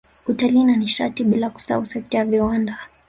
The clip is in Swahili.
Utalii na Nishati bila kusahau sekta ya viwanda